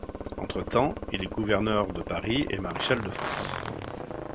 Entretemps, il est gouverneur de Paris et maréchal de France.